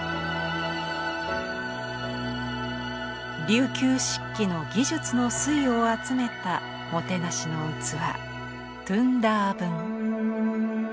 琉球漆器の技術の粋を集めたもてなしの器「東道盆」。